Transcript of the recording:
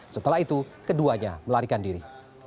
setelah itu keduanya melarikan diri